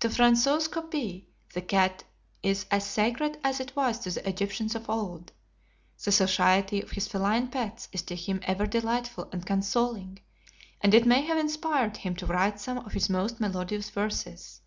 To François Coppée the cat is as sacred as it was to the Egyptians of old. The society of his feline pets is to him ever delightful and consoling, and it may have inspired him to write some of his most melodious verses.